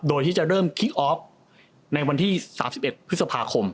โดยที่จะเริ่มคิกออฟในวันที่๓๑พฤษภาคม